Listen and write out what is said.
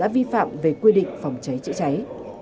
và quyết định phòng cháy chữa cháy